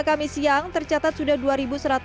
kami simpan penguasaan yang kedua oudi ini